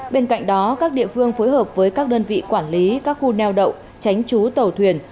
bên cạnh đó các địa phương phối hợp với các đơn vị quản lý các khu neo đậu tránh trú tàu thuyền